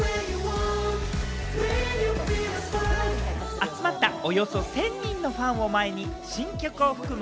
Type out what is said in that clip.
集まったおよそ１０００人のファンを前に新曲を含む